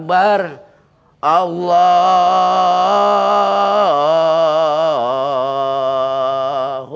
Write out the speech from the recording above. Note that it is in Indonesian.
sesuai v aware